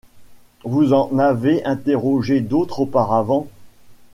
Vous en avez interrogé d'autres auparavant.